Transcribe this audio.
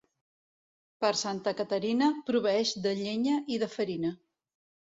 Per Santa Caterina, proveeix de llenya i de farina.